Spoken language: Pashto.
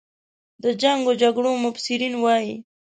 د جنګ و جګړو مبصرین وایي.